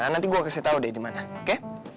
nanti gue kasih tau deh dimana oke